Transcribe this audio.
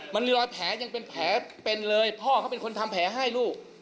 มันมีรอยแผลยังเป็นแผลเป็นเลยพ่อเขาเป็นคนทำแผลให้ลูก